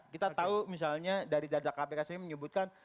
kita tahu misalnya dari data kpk sendiri menyebutkan